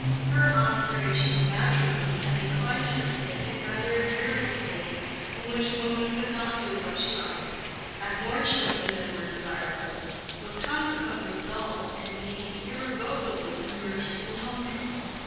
Her observation of matrimony had inclined her to think it rather a dreary state in which a woman could not do what she liked, had more children than were desirable, was consequently dull, and became irrevocably immersed in humdrum.